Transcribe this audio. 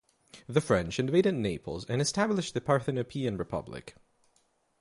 The French invaded Naples and established the Parthenopaean Republic.